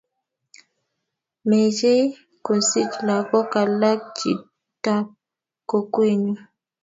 mechei kosich lagok alak chitab kokwenyu